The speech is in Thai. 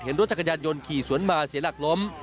รถจักรยานยนต์ขี่สวนมาเสียหลักล้ม